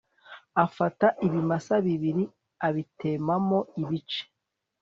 afata ibimasa bibiri abitemamo ibice